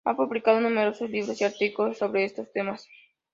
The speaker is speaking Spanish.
Ha publicado numerosos libros y artículos sobre estos temas.